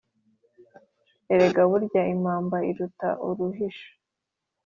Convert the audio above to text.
erega burya impamba iruta uruhisho